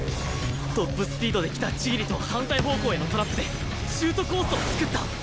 トップスピードで来た千切とは反対方向へのトラップでシュートコースを創った！